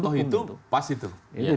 kalau kita ambil contoh itu pasti itu